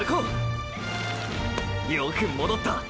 よく戻った！！